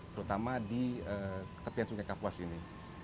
terutama di tepian sungai kapuas ini